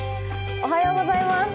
おはようございます。